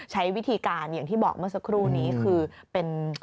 ใช้วิธีการอย่างที่บอกเมื่อสักครู่นี้คือเป็น